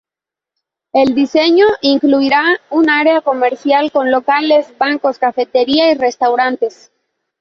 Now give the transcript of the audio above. El diseño incluirá un área comercial con locales, bancos, cafeterías y restaurantes.